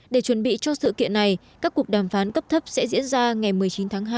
để chuẩn bị cho sự kiện này các cuộc đàm phán cấp thấp sẽ diễn ra ngày một mươi chín tháng hai